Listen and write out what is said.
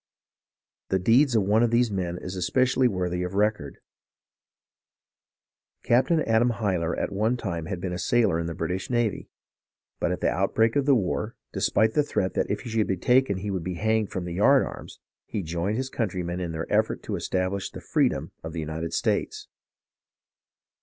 The deeds of one of these men is especially worthy of record. Captain Adam Hyler at one time had been a sailor in the British navy, but at the outbreak of the war, despite the threat that if he should be taken he would be hanged from the yard arms, he joined his countrymen in their effort to establish the freedom of the United States.